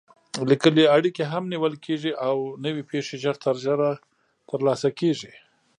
لیکلې اړیکې هم نیول کېږي او نوې پېښې ژر تر ژره ترلاسه کېږي.